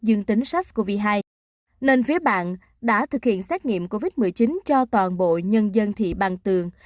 dương tính sars cov hai nên phía bạn đã thực hiện xét nghiệm covid một mươi chín cho toàn bộ nhân dân thị bằng tường